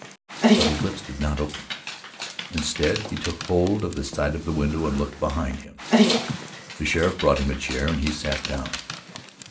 But his lips did not open. Instead he took hold of the side of the window and looked behind him. The sheriff brought him a chair and he sat down.